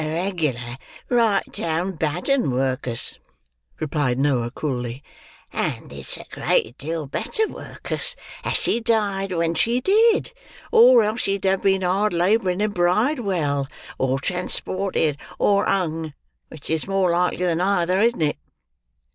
"A regular right down bad 'un, Work'us," replied Noah, coolly. "And it's a great deal better, Work'us, that she died when she did, or else she'd have been hard labouring in Bridewell, or transported, or hung; which is more likely than either, isn't it?"